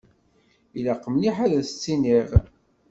Ilaq mliḥ ad as-tt-iniɣ!